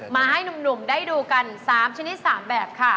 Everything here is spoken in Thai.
มาให้หนุ่มได้ดูกัน๓ชนิด๓แบบค่ะ